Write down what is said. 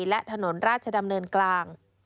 และถนนราชดำเนินกลาง